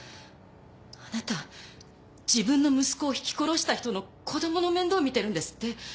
あなた自分の息子を轢き殺した人の子供の面倒見てるんですって？